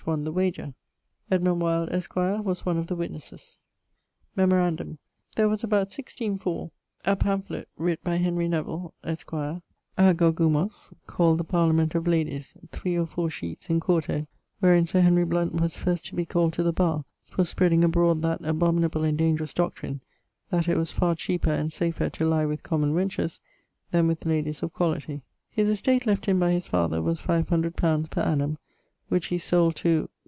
won the wager. E W, esq., was one of the witnesses. Memorandum: there was about 164.. a pamphlet (writt by Henry Nevill, esq., ἀνονυμῶς) called The Parliament of Ladies, 3 or 4 sheets in 4to, wherin Sir Henry Blount was first to be called to the barre for spreading abroad that abominable and dangerous doctrine that it was far cheaper and safer to lye with common wenches then with ladies of quality. ☞ His estate left him by his father was 500 li. per annum, which he sold to